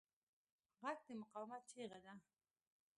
غږ د مقاومت چیغه ده